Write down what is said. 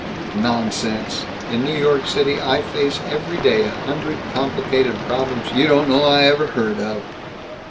"Nonsense! In New York I face every day a hundred complicated problems you don't know I ever heard of!"